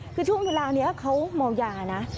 คือช่วงเวลานี้เขาเมายานะ